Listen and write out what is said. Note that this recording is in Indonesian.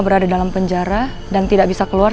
berada dalam penjara dan tidak bisa keluar